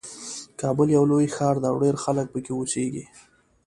کابل یو لوی ښار ده او ډېر خلک پکې اوسیږي